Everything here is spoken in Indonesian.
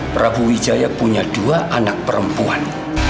prabu wijaya punya dua anak perempuan